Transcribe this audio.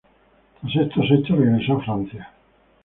Tras estos hechos regresó a Francia.